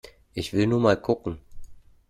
Ich will nur mal gucken!